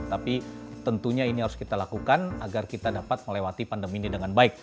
tapi tentunya ini harus kita lakukan agar kita dapat melewati pandemi ini dengan baik